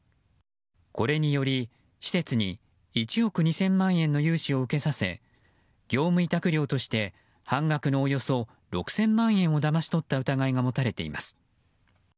これにより、施設に１億２０００万円の融資を受けさせ業務委託料として半額のおよそ６０００万円をだまし取った疑いが持たれています。